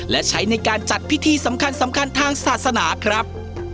และใช้ในการจัดพิธีสำคัญทางศาสนาครับ